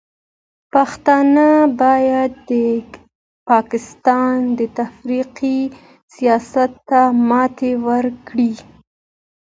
پښتانه باید د پاکستان د تفرقې سیاست ته ماتې ورکړي.